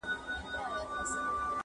مامي سړو وینو ته اور غوښتی!.